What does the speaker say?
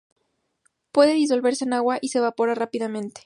Puede disolverse en agua y se evapora rápidamente.